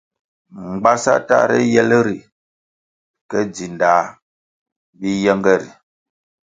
Mgbasa tahre yel ri ke dzindah bi yenge ri.